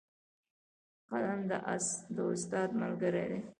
قلم د استاد ملګری دی